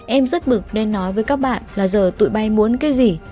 em rất bực nên nói với các bạn là giờ tụi bay muốn cái gì